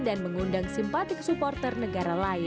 mengundang simpatik supporter negara lain